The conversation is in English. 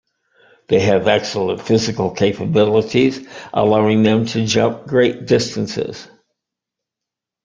They have excellent physical capabilities, allowing them to jump great distances.